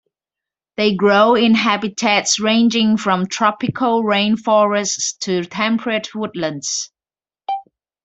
They grow in habitats ranging from tropical rain forests to temperate woodlands.